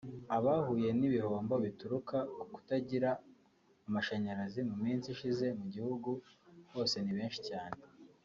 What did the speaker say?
Abahuye n’ibihombo bituruka ku kutagira amashanyarazi mu minsi ishize mu gihugu hose ni benshi cyane